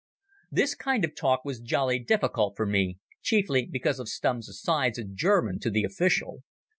This kind of talk was jolly difficult for me, chiefly because of Stumm's asides in German to the official.